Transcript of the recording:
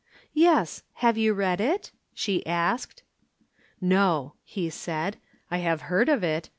"Yes, have you read it?" she asked. "No," he said, "I have heard of it.